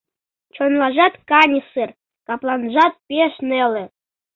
Чонланжат каньысыр, капланжат пеш неле.